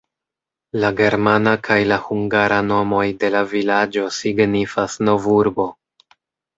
La germana kaj la hungara nomoj de la vilaĝo signifas "nov-urbo".